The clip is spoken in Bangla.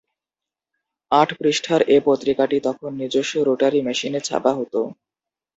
আট পৃষ্ঠার এ পত্রিকাটি তখন নিজস্ব রোটারী মেশিনে ছাপা হতো।